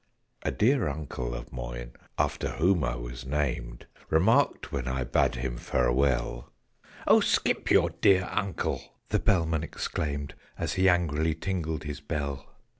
"A dear uncle of mine (after whom I was named) Remarked, when I bade him farewell " "Oh, skip your dear uncle!" the Bellman exclaimed, As he angrily tingled his bell.